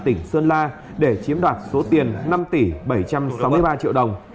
tỉnh sơn la để chiếm đoạt số tiền năm tỷ bảy trăm sáu mươi ba triệu đồng